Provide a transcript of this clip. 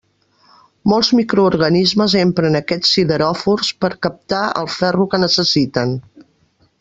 Molts microorganismes empren aquests sideròfors per a captar el ferro que necessiten.